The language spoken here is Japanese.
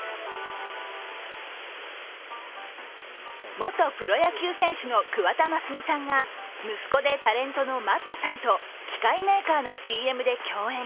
元プロ野球選手の桑田真澄さんが息子でタレントのＭａｔｔさんと機械メーカーのＣＭで共演。